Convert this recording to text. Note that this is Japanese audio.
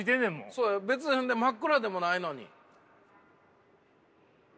そう別に真っ暗でもないのに。